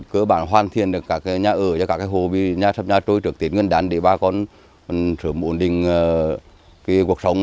cơ bản hoàn thiện được các nhà ở và các hồ bị sập nhà trôi trực tiến ngân đán để bà con sửa mộn đình cuộc sống